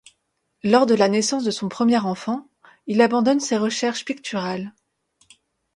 Lors de la naissance de son premier enfant, il abandonne ses recherches picturales.